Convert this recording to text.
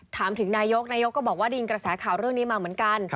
ถามถึงนายกนายกก็บอกว่าได้ยินกระแสข่าวเรื่องนี้มาเหมือนกัน